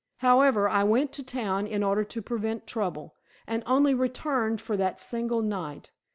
However, I went to town in order to prevent trouble, and only returned for that single night.